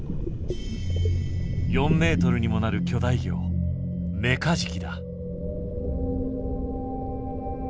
４ｍにもなる巨大魚メカジキだ。